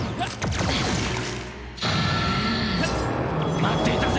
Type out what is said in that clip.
待っていたぜ！